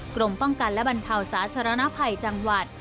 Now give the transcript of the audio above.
กรมป้องกันและบรรเทาสาธารณภัยจังหวัด